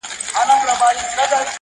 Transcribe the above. هر یوه ته مي جلا کړی وصیت دی؛